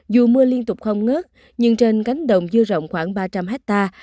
dù mưa liên tục không ngớt nhưng trên cánh đồng dưa rộng khoảng ba trăm linh hectare